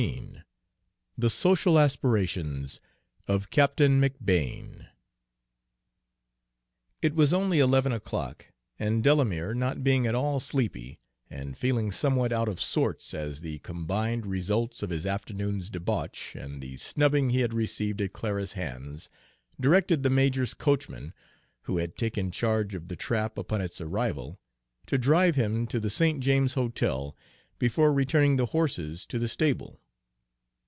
XVII THE SOCIAL ASPIRATIONS OF CAPTAIN McBANE It was only eleven o'clock, and Delamere, not being at all sleepy, and feeling somewhat out of sorts as the combined results of his afternoon's debauch and the snubbing he had received at Clara's hands, directed the major's coachman, who had taken charge of the trap upon its arrival, to drive him to the St. James Hotel before returning the horses to the stable.